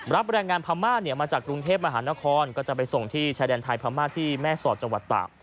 แรงงานพม่าเนี่ยมาจากกรุงเทพมหานครก็จะไปส่งที่ชายแดนไทยพม่าที่แม่สอดจังหวัดตาก